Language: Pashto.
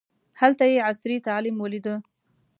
هلته یې عصري تعلیم ولیده.